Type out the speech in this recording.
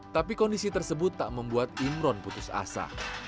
tapi kondisi tersebut tak membuat imron putus asa